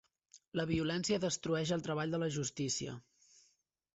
La violència destrueix el treball de la justícia.